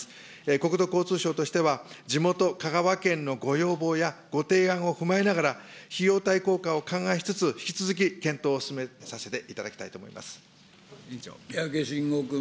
国土交通省としては地元、香川県のご要望やご提案を踏まえながら、費用対効果を勘案しつつ、引き続き検討を進めさせていただきたい三宅伸吾君。